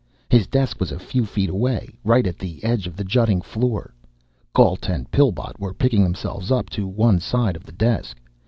His desk was a few feet away, right at the edge of the jutting floor. Gault and Pillbot were picking themselves up to one side of the desk.